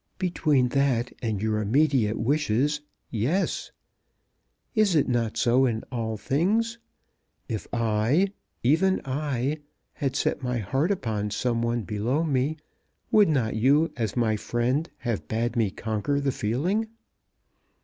"Between that and your immediate wishes; yes. Is it not so in all things? If I, even I, had set my heart upon some one below me, would not you, as my friend, have bade me conquer the feeling?"